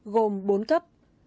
gồm bốn cấp